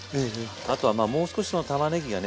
あとはもう少したまねぎがね